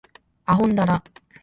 あほんだら